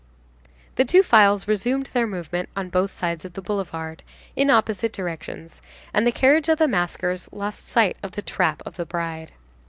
The two files resumed their movement on both sides of the boulevard, in opposite directions, and the carriage of the maskers lost sight of the "trap" of the bride.